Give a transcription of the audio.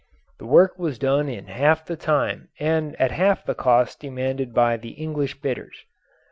The work was done in half the time and at half the cost demanded by the English bidders.